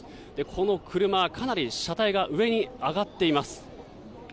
この車、かなり車体が上に上がっています。